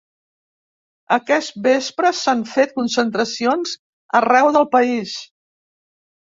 Aquest vespre s’han fet concentracions arreu del país.